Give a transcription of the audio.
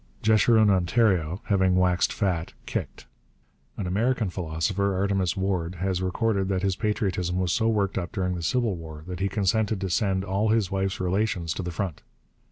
Jeshurun Ontario, having waxed fat, kicked. An American philosopher, Artemus Ward, has recorded that his patriotism was so worked up during the Civil War that he consented to send all his wife's relations to the front.